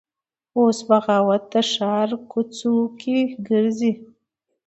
اوس بغاوت د ښار کوڅ وکې ګرځي